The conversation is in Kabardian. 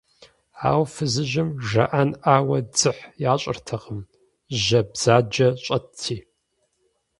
Ауэ фызыжьым жраӀэнӀауэ дзыхь ящӀыртэкъым, жьэ бзаджэ щӀэтти.